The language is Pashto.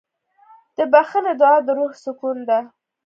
د بښنې دعا د روح سکون ده.